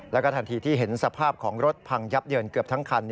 แล้วก็ทันทีที่เห็นสภาพของรถพังยับเยินเกือบทั้งคัน